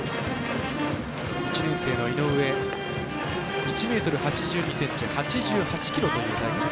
１年生の井上、１ｍ８２ｃｍ８８ｋｇという体格。